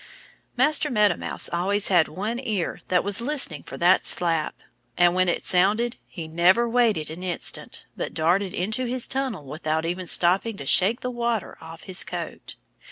Master Meadow Mouse always had one ear that was listening for that slap. And when it sounded he never waited an instant, but darted into his tunnel without even stopping to shake the water off his coat.